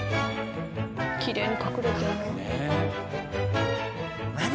きれいに隠れてるなあ。